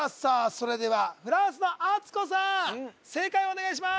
それではフランスのあつこさーん正解お願いします